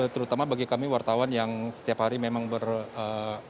terutama bagi kami wartawan yang setiap hari memang beredar